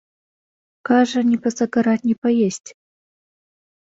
Кажа, ні пазагараць, ні паесці.